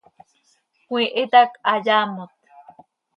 ¡Cömiihit hac hayaamot!